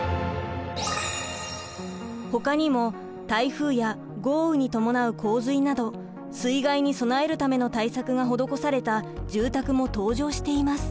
ほかにも台風や豪雨に伴う洪水など水害に備えるための対策が施された住宅も登場しています。